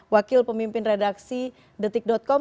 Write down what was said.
wakil pemimpin redaksi detik com